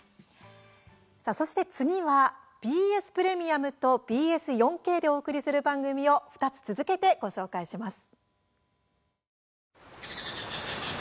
そして次はＢＳプレミアムとＢＳ４Ｋでお送りする番組を２つ続けてご紹介します。